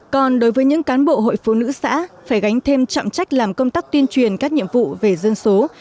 còn đối với những cán bộ hội phụ nữ xã phải gánh thêm trọng trách làm công tác tuyên truyền các nhiệm vụ về dân số